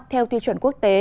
theo tiêu chuẩn quốc tế